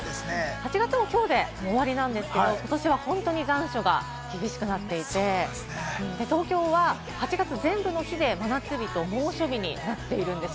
８月もきょうで終わりなんですけれども、ことしは本当に残暑が厳しくなっていて、東京は８月、全部の日で真夏日と猛暑日になっているんですよ。